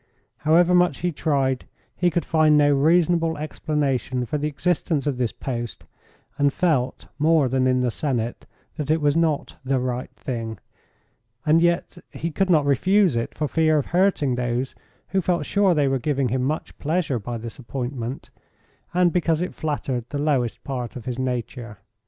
However much he tried he could find no reasonable explanation for the existence of this post, and felt, more than in the Senate, that it was not "the right thing," and yet he could not refuse it for fear of hurting those who felt sure they were giving him much pleasure by this appointment, and because it flattered the lowest part of his nature.